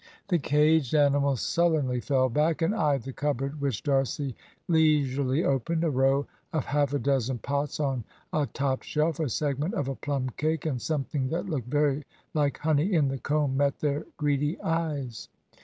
The caged animals sullenly fell back and eyed the cupboard which D'Arcy leisurely opened. A row of half a dozen pots on a top shelf, a segment of a plum cake, and something that looked very like honey in the comb, met their greedy eyes.